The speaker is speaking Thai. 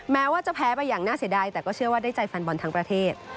แม้ว่าจะแพ้ไปอย่างน่าเสียดายแต่ก็เชื่อว่าได้ใจแฟนบอลทั้งประเทศ